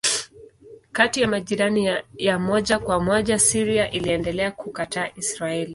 Kati ya majirani ya moja kwa moja Syria iliendelea kukataa Israeli.